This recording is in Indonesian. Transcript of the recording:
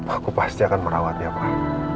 aku pasti akan merawatnya pak